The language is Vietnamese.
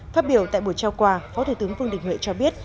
phát biểu tại buổi trao quà phó thủ tướng vương đình huệ cho biết